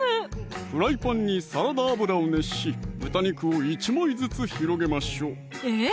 フライパンにサラダ油を熱し豚肉を１枚ずつ広げましょうえーっ！